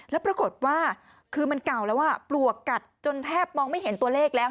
แล้วปรากฏว่าคือมันเก่าแล้วปลวกกัดจนแทบมองไม่เห็นตัวเลขแล้ว